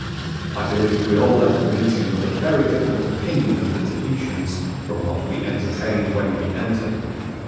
I believe we all left the meeting with a very different opinion of the Tahitians, from what we entertained when we entered.